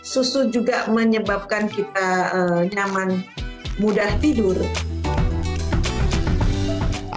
susu juga menyebabkan kita nyaman mudah tidur